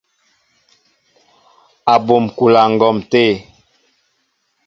Abum kúla ŋgǒm té.